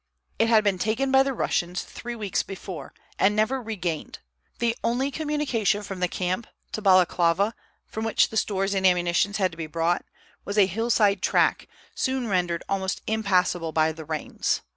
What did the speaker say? It had been taken by the Russians three weeks before, and never regained. The only communication from the camp to Balaklava, from which the stores and ammunition had to be brought, was a hillside track, soon rendered almost impassable by the rains.